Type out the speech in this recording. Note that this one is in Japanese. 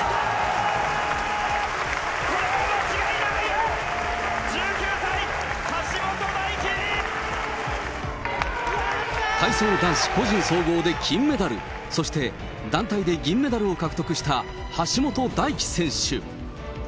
これは間違いない、１９歳、体操男子個人総合で金メダル、そして団体で銀メダルを獲得した橋本大輝選手。